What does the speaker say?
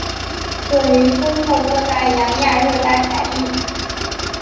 本鱼分布各大洋亚热带海域。